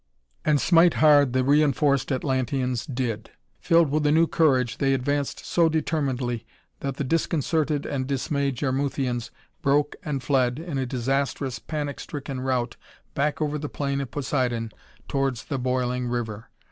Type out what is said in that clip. And smite hard the reinforced Atlanteans did. Filled with a new courage they advanced so determinedly that the disconcerted and dismayed Jarmuthians broke and fled in a disastrous, panic stricken rout back over the plain of Poseidon towards the boiling river.